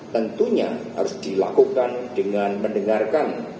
tentunya harus dilakukan dengan mendengarkan